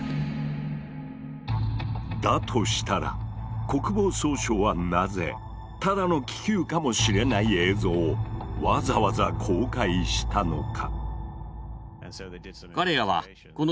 したら国防総省はなぜただの気球かもしれない映像をわざわざ公開したのか？